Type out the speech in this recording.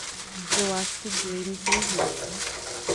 Eu acho que Jamie fez isso.